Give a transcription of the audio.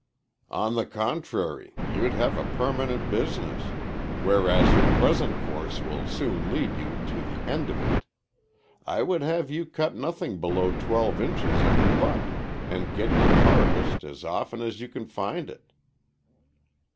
"On the contrary, you'd have a permanent business, whereas your present course will soon lead you to the end of it. I would have you cut nothing below twelve inches at the butt, and get your harvest as often as you can find it."